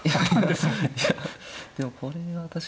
いやでもこれは確かに。